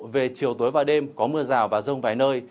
về chiều tối và đêm có mưa rào và rông vài nơi